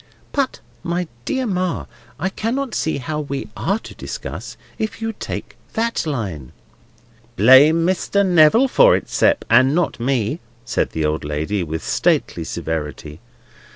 "But, my dear Ma, I cannot see how we are to discuss, if you take that line." "Blame Mr. Neville for it, Sept, and not me," said the old lady, with stately severity.